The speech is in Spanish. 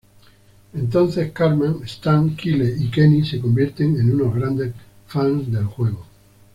Entonces Cartman, Stan, Kyle y Kenny se convierten en unos grandes fans del juego.